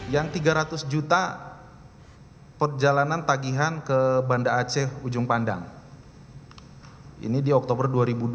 yang tiga ratus juta perjalanan tagihan ke banda aceh ujung pandang ini di oktober dua ribu dua puluh